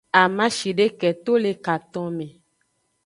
Amashideke to le katonme.